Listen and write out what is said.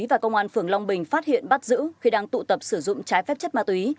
và công an phường long bình phát hiện bắt giữ khi đang tụ tập sử dụng trái phép chất ma túy